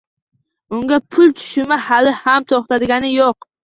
Unga pul tushumi hali ham to‘xtagani yo‘q.